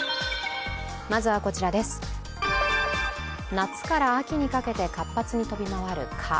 夏から秋にかけて活発に飛び回る蚊。